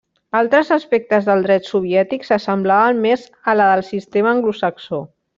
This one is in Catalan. Altres aspectes del Dret soviètic s'assemblaven més a la del sistema anglosaxó.